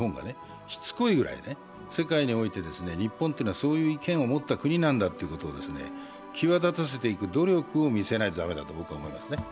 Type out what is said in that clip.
しつこいくらい、世界において日本はそういう意見を持った国なんだということを際立たせていく努力を見せなければいけないと僕は思いますね。